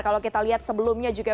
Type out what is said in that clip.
kalau kita lihat sebelumnya juga